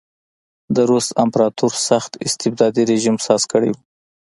د روس امپراتور سخت استبدادي رژیم ساز کړی و.